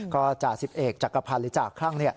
ก็จาก๑๑จักรพรรณหรือจากข้าง